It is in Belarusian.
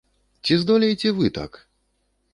Ці здолееце вы так?